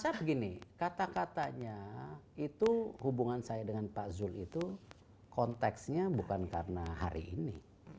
saya begini kata katanya itu hubungan saya dengan pak zul itu konteksnya bukan karena hari ini